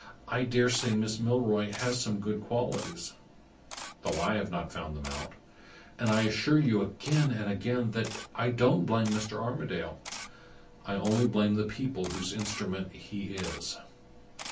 I dare say Miss Milroy has some good qualities, though I have not found them out; and I assure you again and again that I don't blame Mr. Armadale. I only blame the people whose instrument he is."